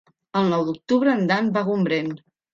El nou d'octubre en Dan va a Gombrèn.